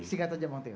singkat aja bang teo